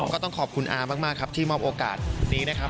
ก็ต้องขอบคุณอามากครับที่มอบโอกาสนี้นะครับ